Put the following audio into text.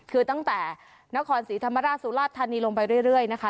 คือตั้งแต่นครศรีธรรมราชสุราชธานีลงไปเรื่อยนะคะ